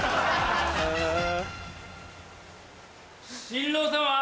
新郎様！